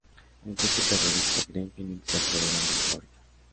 El grupo terrorista Green Phoenix se apodera de la fábrica.